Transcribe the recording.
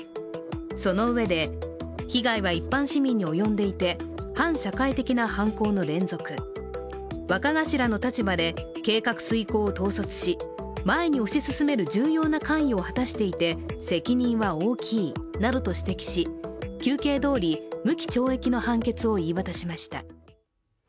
そのうえで、被害は一般市民に及んでいて反社会的な犯行の連続若頭の立場で計画遂行を統率し前に推し進める重要な関与を果たしていて責任は大きいなどと指摘し求刑どおり無期懲役の判決を言い渡しました。